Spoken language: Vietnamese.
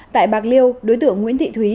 tại bạc liêu đối tượng nguyễn thị thúy